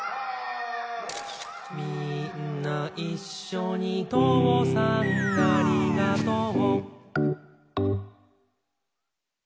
「みーんないっしょにとうさんありがとう」